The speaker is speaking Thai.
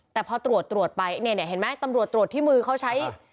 แต่พอตรวจตรวจไปเนี่ยเห็นไหมตำรวจตรวจที่มือเขาใช้